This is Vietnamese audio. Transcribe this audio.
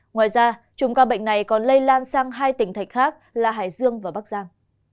ngoài ra chúng ca bệnh này còn lây lan sang hai tỉnh thạch khác là hải dương và bắc giang